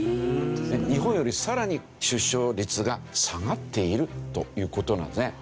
日本よりさらに出生率が下がっているという事なんですね。